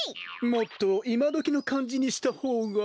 もっといまどきのかんじにしたほうが。